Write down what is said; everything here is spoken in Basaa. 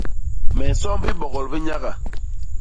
Me nsomb bibogol bi nyaga.